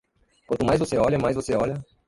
Quanto mais você olha, mais você olha